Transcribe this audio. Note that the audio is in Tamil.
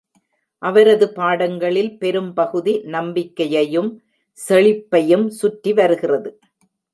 அவரது பாடங்களில் பெரும் பகுதி நம்பிக்கையையும், செழிப்பையும் சுற்றி வருகிறது.